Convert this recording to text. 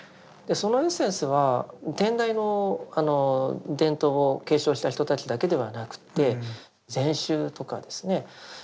そのエッセンスは天台の伝統を継承した人たちだけではなくて禅宗とかですね